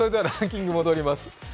ランキング戻ります。